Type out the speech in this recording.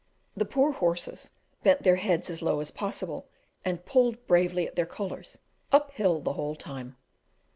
The poor horses bent their heads as low as possible and pulled bravely at their collars, up hill the whole time.